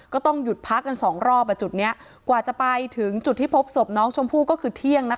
ก็ต้องหยุดพักกันสองรอบจุดนี้กว่าจะไปถึงจุดที่พบศพน้องชมพู่ก็คือเที่ยง